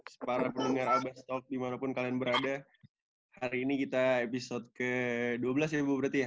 sebagai pendengar abas talk dimanapun kalian berada hari ini kita episode ke dua belas ya ibu